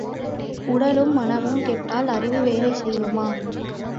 உடலும் மனமும் கெட்டால் அறிவு வேலை செய்யுமா?